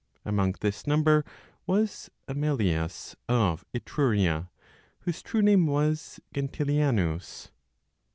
Among this number was Amelius of Etruria, whose true name was Gentilianus.